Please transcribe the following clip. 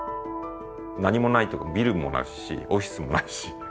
何もないビルもないしオフィスもないし。